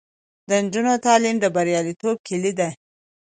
د نجونو تعلیم د بریالیتوب کیلي ده.